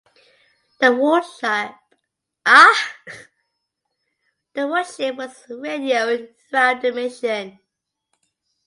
The warship was radioed throughout the mission.